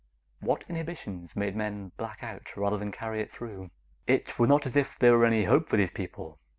What inhibitions made men black out rather than carry it through? It was not as if there were any hope for these people.